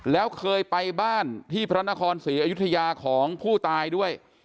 แล้วเคยไปบ้านที่พระนครศรีอยุธยาของผู้ตายด้วย